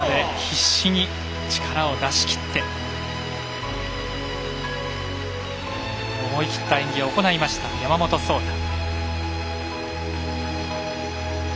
最後まで必死に力を出し切って思い切った演技を行いました山本草太。